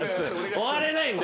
終われないんで。